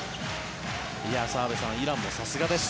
澤部さん、イランもさすがです。